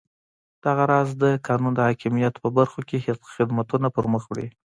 دغه راز د قانون د حاکمیت په برخو کې خدمتونه پرمخ وړي.